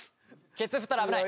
ケツ振ったら危ない！